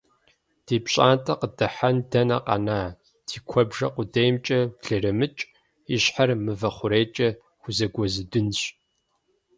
Ди пщӏантӏэ къыдыхьэн дэнэ къэна, ди куэбжэ къудеймкӏэ блыремыкӏ, и щхьэр мывэ хъурейкӏэ хузэгуэзудынщ.